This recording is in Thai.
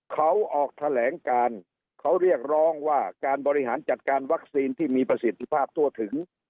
เขาออกแถลงการเขาเรียกร้องว่าการบริหารจัดการวัคซีนที่มีประสิทธิภาพทั่วถึง